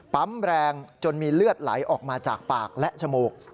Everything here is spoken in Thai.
แรงจนมีเลือดไหลออกมาจากปากและจมูก